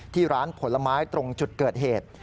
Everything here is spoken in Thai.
ที่ร้านผลไม้ตรงจุดเกิดเหตุ